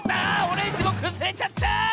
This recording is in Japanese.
オレンジもくずれちゃった！